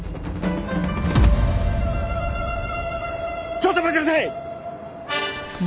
ちょっと待ちなさい！